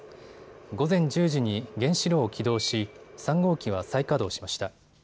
午前１０時に原子炉を起動し３号機は再稼働しました。